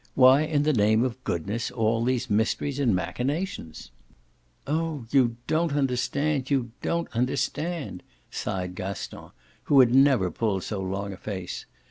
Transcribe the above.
Why in the name of goodness all these mysteries and machinations?" "Oh you don't understand, you don't understand!" sighed Gaston, who had never pulled so long a face.